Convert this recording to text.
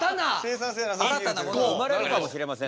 新たなものが生まれるかもしれません。